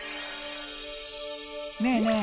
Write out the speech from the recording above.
ねえねえ